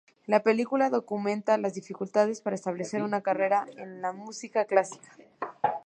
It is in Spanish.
La película documenta las dificultades para establecer una carrera en la música clásica.